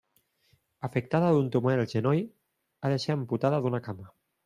Afectada d'un tumor al genoll, ha de ser amputada d'una cama.